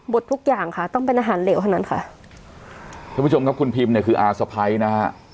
ดทุกอย่างค่ะต้องเป็นอาหารเหลวเท่านั้นค่ะท่านผู้ชมครับคุณพิมเนี่ยคืออาสะพ้ายนะฮะ